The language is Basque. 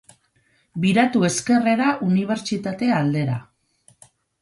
Biratu ezkerrera unibertsitate aldera.